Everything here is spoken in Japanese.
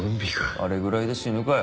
あれぐらいで死ぬかよ。